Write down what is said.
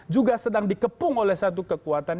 juga sedang dikepung oleh satu kekuatan